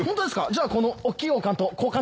じゃあこのおっきい王冠と交換ですね。